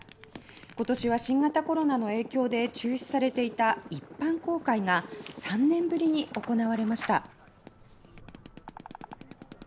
今年は新型コロナの影響で中止されていた一般公開が３年ぶりに行われました。